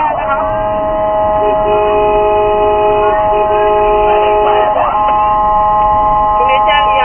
กิ๊ดซ้ายไปก่อนนะครับฉุกเฉินเท่ากันแม่นะครับ